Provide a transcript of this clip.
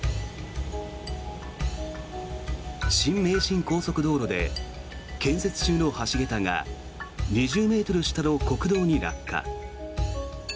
新名神高速道路で建設中の橋桁が２０ｍ下の国道に落下。